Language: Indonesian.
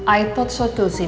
aku pikir begitu juga sih